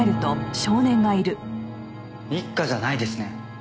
一課じゃないですね。